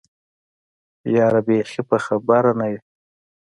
يره بېخي په خبره نه يې.